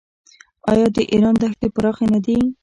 آیا د ایران دښتې پراخې نه دي؟